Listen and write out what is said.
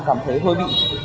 cảm thấy hơi bị